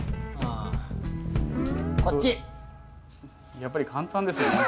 やっぱり簡単ですね問題。